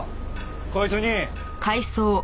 こいつに。